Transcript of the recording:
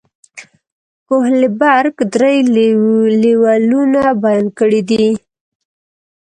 کوهلبرګ درې لیولونه بیان کړي دي.